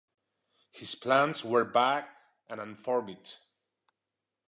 His plans were vague and unformed.